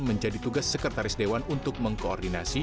menjadi tugas sekretaris dewan untuk mengkoordinasi